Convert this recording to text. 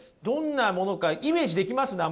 どんなものかイメージできます？